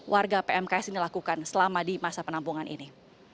warga pmks ini lakukan selama di masa penampungan ini